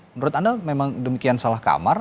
menurut anda memang demikian salah kamar